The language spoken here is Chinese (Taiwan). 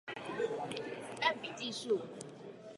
子彈筆記術